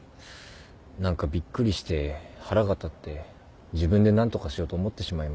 何かびっくりして腹が立って自分で何とかしようと思ってしまいました。